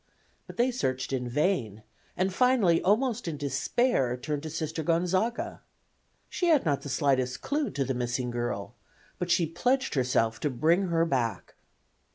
But they searched in vain, and finally almost in despair turned to Sister Gonzaga. She had not the slightest clue to the missing girl, but she pledged herself to bring her back.